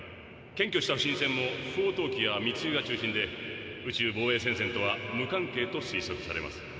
検挙した不審船も不法投棄や密輸が中心で宇宙防衛戦線とは無関係と推測されます。